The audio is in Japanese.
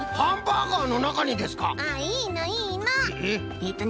えっとね